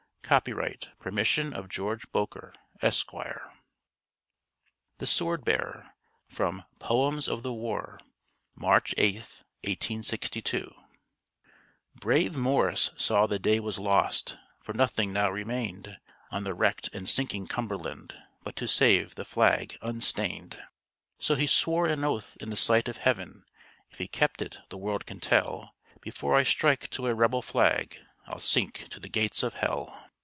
Copyright: permission of George Boker, Esq. THE SWORD BEARER From 'Poems of the War' March 8th, 1862 Brave Morris saw the day was lost; For nothing now remained, On the wrecked and sinking Cumberland, But to save the flag unstained. So he swore an oath in the sight of Heaven, If he kept it the world can tell: "Before I strike to a rebel flag, I'll sink to the gates of hell!